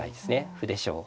歩でしょう。